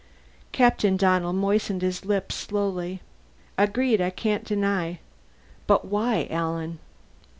Captain Donnell moistened his lips slowly. "Agreed, I can't deny. But why, Alan?"